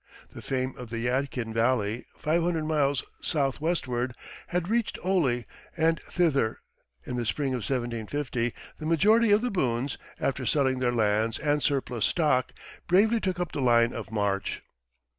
The fame of the Yadkin Valley, five hundred miles southwestward, had reached Oley, and thither, in the spring of 1750, the majority of the Boones, after selling their lands and surplus stock, bravely took up the line of march.